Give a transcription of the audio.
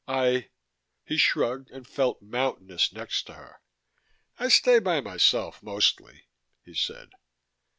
"I " He shrugged and felt mountainous next to her. "I stay by myself, mostly," he said.